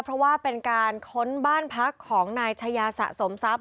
เพราะว่าเป็นการค้นบ้านพักของนายชายาสะสมทรัพย